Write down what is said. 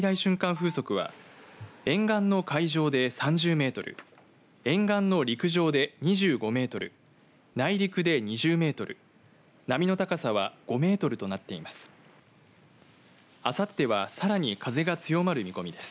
風速は沿岸の海上で３０メートル沿岸の陸上で２５メートル内陸で２０メートル波の高さは５メートルとなっています。